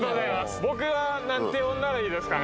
僕は何て呼んだらいいですかね？